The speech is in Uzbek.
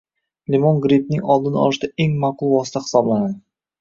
Limon grippning oldini olishda eng maqbul vosita hisoblanadi.